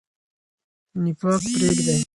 نفاق پریږدئ.